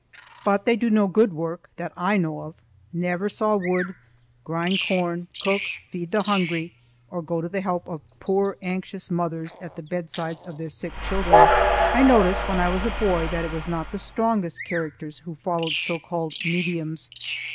But they do no good work that I know of; never saw wood, grind corn, cook, feed the hungry, or go to the help of poor anxious mothers at the bedsides of their sick children. I noticed when I was a boy that it was not the strongest characters who followed so called mediums.